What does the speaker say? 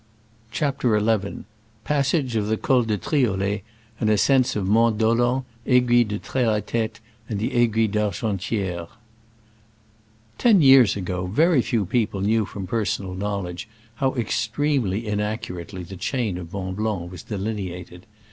CHAPTER XI. PASSAGE OF THE COL DE TRIOLET, AND ASCENTS OF MONT DOLENT, AIGUILLE DE TRfeLAT^TE AND AIGUILLE D'ARGENTIERE. Ten years ago very few people knew from personal knowledge how extremely inaccurately the chain of Mont Blanc was delineated.